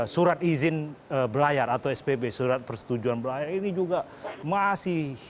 surat izin belayar atau spb surat persetujuan belayar ini juga masih